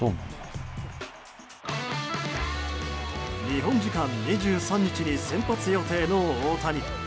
日本時間２３日に先発予定の大谷。